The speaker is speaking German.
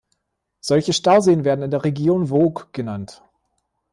Solche Stauseen werden in der Region Woog genannt.